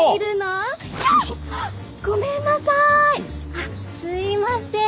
あっすいません。